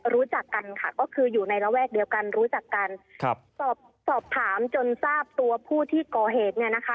รู้จักกันค่ะก็คืออยู่ในระแวกเดียวกันรู้จักกันครับสอบสอบถามจนทราบตัวผู้ที่ก่อเหตุเนี่ยนะคะ